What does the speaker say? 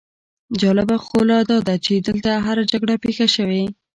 جالبه خو لا داده چې دلته هره جګړه پېښه شوې.